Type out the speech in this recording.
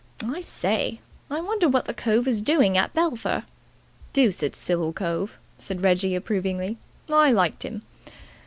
I say, I wonder what the cove is doing at Belpher? Deuced civil cove," said Reggie approvingly. "I liked him.